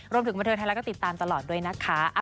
รวมถึงบรรเทศไทยแล้วก็ติดตามตลอดด้วยนะคะ